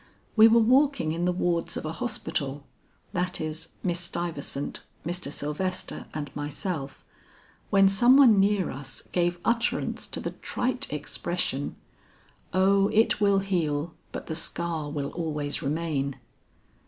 We were walking in the wards of a hospital that is, Miss Stuyvesant, Mr. Sylvester and myself when some one near us gave utterance to the trite expression, 'O it will heal, but the scar will always remain.'